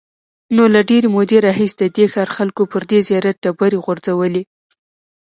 نو له ډېرې مودې راهیسې د دې ښار خلکو پر دې زیارت ډبرې غورځولې.